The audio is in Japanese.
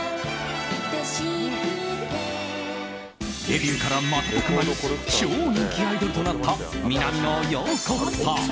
デビューから瞬く間に超人気アイドルとなった南野陽子さん。